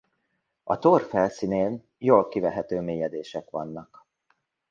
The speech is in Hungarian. A tor felszínén jól kivehető mélyedések vannak.